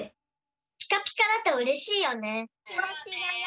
ピカピカだとうれしいよね。